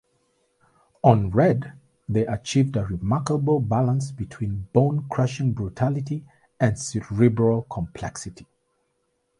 On "Red", they achieved a remarkable balance between bone-crushing brutality and cerebral complexity.